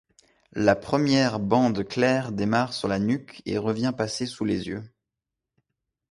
La première bande claire démarre sur la nuque et revient passer sous les yeux.